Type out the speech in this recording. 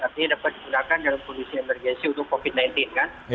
artinya dapat digunakan dalam kondisi emergensi untuk covid sembilan belas kan